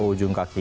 ke ujung kaki